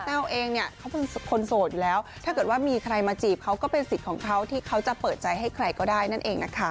เองเนี่ยเขาเป็นคนโสดอยู่แล้วถ้าเกิดว่ามีใครมาจีบเขาก็เป็นสิทธิ์ของเขาที่เขาจะเปิดใจให้ใครก็ได้นั่นเองนะคะ